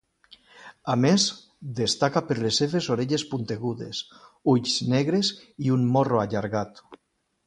A més, destaca per les seves orelles puntegudes, ulls negres i un morro allargat.